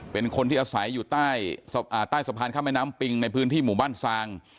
เป็นคนที่อาศัยอยู่ใต้สะพานข้ามแม่น้ำปิงในพื้นที่หมู่บ้านซาง